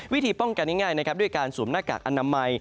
วิธีป้องกันง่ายนะครับด้วยการสวมหน้ากากอนามัย